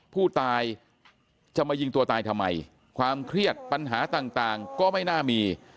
ผู้ตายจะมายิงตัวตายทำไมความเครียดปัญหาต่างก็ไม่น่ามี